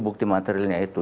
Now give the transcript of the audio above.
bukti materialnya itu